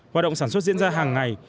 hoạt động sản xuất diễn ra hàng ngày